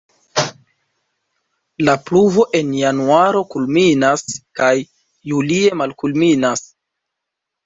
La pluvo en januaro kulminas kaj julie malkulminas.